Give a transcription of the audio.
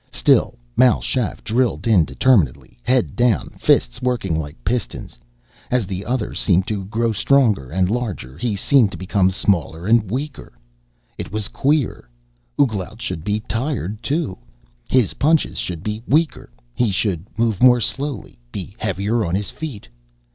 Still Mal Shaff drilled in determinedly, head down, fists working like pistons. As the other seemed to grow stronger and larger, he seemed to become smaller and weaker. It was queer. Ouglat should be tired, too. His punches should be weaker. He should move more slowly, be heavier on his feet.